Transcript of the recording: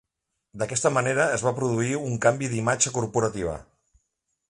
D'aquesta manera es va produir un canvi d'imatge corporativa.